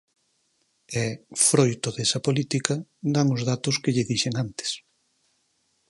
E, froito desa política, dan os datos que lle dixen antes.